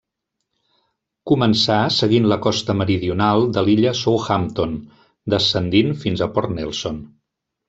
Començà seguint la costa meridional de l'illa Southampton, descendint fins a Port Nelson.